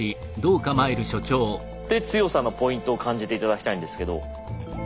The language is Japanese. で強さのポイントを感じて頂きたいんですけど。